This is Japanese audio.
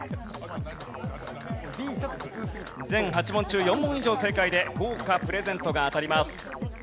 全８問中４問以上正解で豪華プレゼントが当たります。